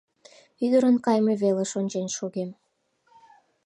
Ӱдырын кайыме велыш ончен шогем.